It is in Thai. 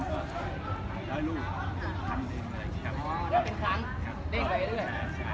ถ้าเป็นเครื่องเตะทางชาติก็ชอบทอสเซอล